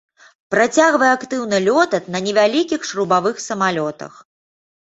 Працягвае актыўна лётаць на невялікіх шрубавых самалётах.